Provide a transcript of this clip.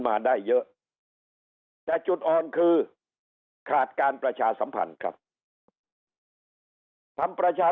มาได้เยอะแต่จุดอ่อนคือขาดการประชาสัมพันธ์ครับทำประชา